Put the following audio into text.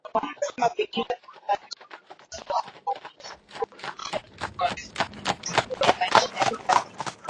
wanasema vitisho ukandamizwaji na ukamataji holela ni sehemu ya maisha ya kila siku